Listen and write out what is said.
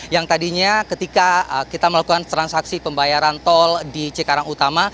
yang tadinya ketika kita melakukan transaksi pembayaran tol di cikarang utama